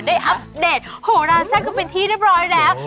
อัปเดตโหราแซ่บกันเป็นที่เรียบร้อยแล้ว